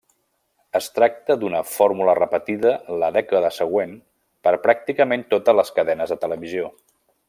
Es tracta d'una fórmula repetida la dècada següent per pràcticament totes les cadenes de televisió.